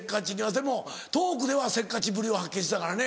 でもトークではせっかちぶりを発揮してたからね。